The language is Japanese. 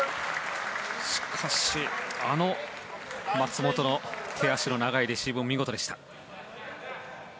しかし松本の手足の長いレシーブも見事でした。